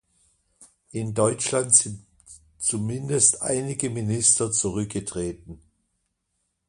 In Deutschland sind zumindest einige Minister zurückgetreten.